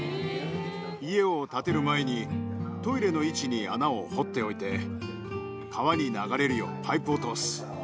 家を建てる前に、トイレの位置に穴を掘っておいて、川に流れるようパイプを通す。